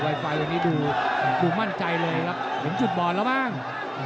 ไวไฟดูมั่นใจเลยนะเห็นชุดมองแล้วมั่ง